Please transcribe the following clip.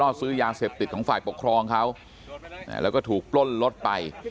ซื้อยาเสพติดของฝ่ายปกครองเขาแล้วก็ถูกปล้นรถไป